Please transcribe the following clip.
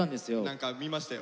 何か見ましたよ。